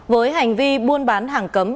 với hành vi buôn bán hàng cấm